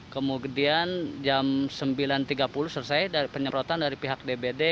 kemudian jam sembilan tiga puluh selesai penyemprotan dari pihak dbd